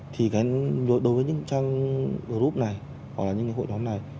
thì đối với những trang group này hoặc là những cái hội nhóm này